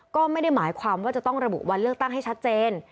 ก็ไม่ได้หมายความว่าจะต้องระบุวันเลือกตั้งให้ชัดเจน